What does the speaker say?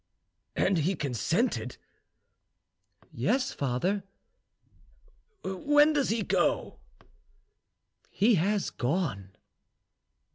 "And he consented?" "Yes, father." "When does he go?" "He has gone."